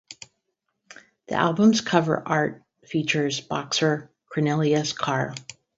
The album's cover art features boxer Cornelius Carr.